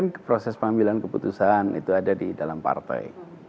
kan proses pengambilan keputusan itu ada di dalam partai